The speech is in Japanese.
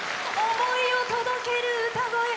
思いを届ける歌声。